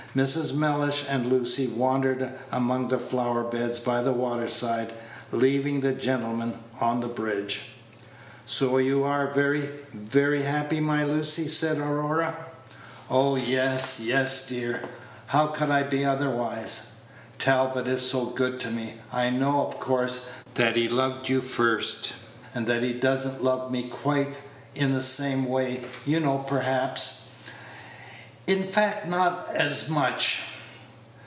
Mrs. Mellish and Lucy wandered among the flower beds by the waterside, leaving the gentlemen on the bridge. "So you are very, very happy, my Lucy?" said Aurora. Page 96 "Oh, yes, yes, dear. How could I be otherwise. Talbot is so good to me. I know, of course, that he loved you first, and that he does n't love me quite in the same way, you know perhaps, in fact not as much."